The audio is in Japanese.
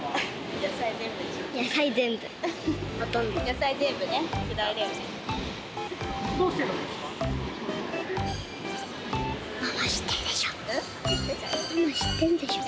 野菜全部だよね。